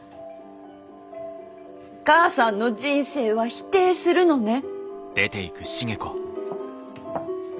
母さんの人生は否定するのね。